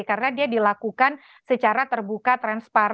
karena dia dilakukan secara terbuka transparan